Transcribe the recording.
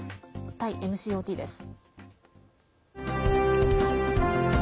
タイＭＣＯＴです。